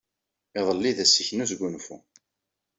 Iḍelli d ass-nnek n wesgunfu.